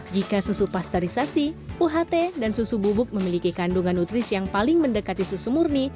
jika susu pasterisasi uht dan susu bubuk memiliki kandungan nutrisi yang paling mendekati susu murni